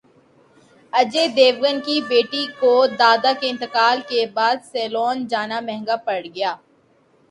اجے دیوگن کی بیٹی کو دادا کے انتقال کے بعد سیلون جانا مہنگا پڑ گیا